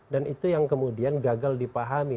dan itu yang kemudian gagal dipahami